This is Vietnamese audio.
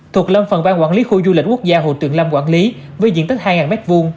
thuộc lâm phần ban quản lý khu du lịch quốc gia hồ tuyền lâm quản lý với diện tích hai m hai